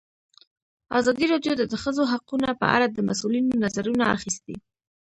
ازادي راډیو د د ښځو حقونه په اړه د مسؤلینو نظرونه اخیستي.